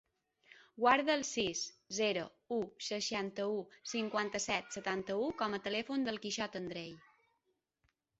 Guarda el sis, zero, u, seixanta-u, cinquanta-set, setanta-u com a telèfon del Quixot Andrei.